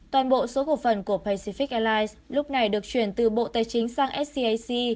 toàn bộ số cục phần của pacific airlines lúc này được chuyển từ bộ tài chính sang scic